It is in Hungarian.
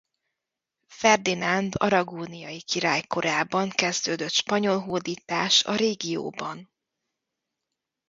Ferdinánd aragóniai király korában kezdődött spanyol hódítás a régióban.